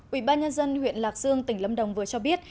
ủy ban nhân dân huyện lạc dương tỉnh lâm đồng vừa cho biết